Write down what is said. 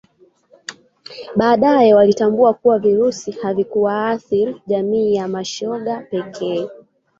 Baadae walitambua kuwa Virusi havikuwaathiri jamii ya mashoga pekee